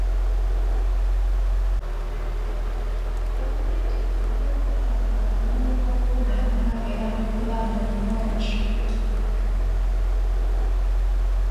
Gavumenti efubye okulaba nga abanoonyiboobubudamu babeera mu bulamu obulungi.